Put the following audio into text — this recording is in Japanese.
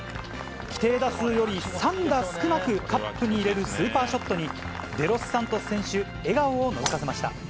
規定打数より３打少なくカップに入れるスーパーショットに、デロスサントス選手、笑顔をのぞかせました。